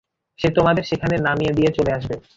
সে তোমাদের সেখানে নামিয় দিয়ে চলে আসবে।